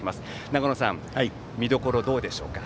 長野さん、見どころはどうでしょうか。